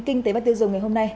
kinh tế và tiêu dùng ngày hôm nay